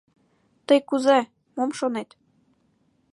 — Тый кузе, мом шонет?